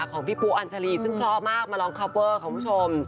ของพี่ปูอัญจารีซึ่งพร้อมากมาร้องคัปเวอร์ของคุณผู้ชม